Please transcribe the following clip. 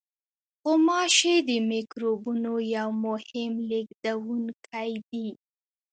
غوماشې د میکروبونو یو مهم لېږدوونکی دي.